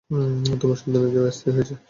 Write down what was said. তোমার সন্তানরা কি স্থায়ী হয়েছে?